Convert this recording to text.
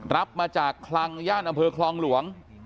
รับมาจากคลังย่านอำเภอคลองหลวง